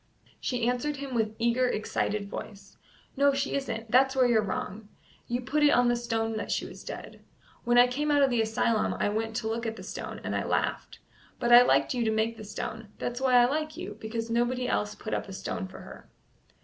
She answered him with eager, excited voice: "No, she isn't; that's where you are wrong. You put it on the stone that she was dead. When I came out of th' asylum I went to look at the stone, and I laughed. But I liked you to make the stone; that's why I like you, because nobody else put up a stone for her."